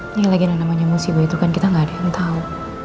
ini lagi ada namanya musibah itu kan kita nggak ada yang tahu